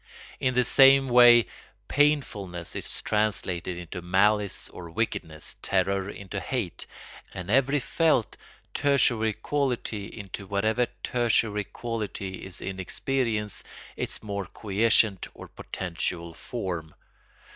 In the same way painfulness is translated into malice or wickedness, terror into hate, and every felt tertiary quality into whatever tertiary quality is in experience its more quiescent or potential form.